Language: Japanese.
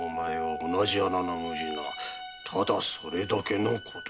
ただそれだけのことだ。